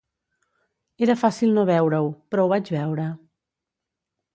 Era fàcil no veure-ho, però ho vaig veure.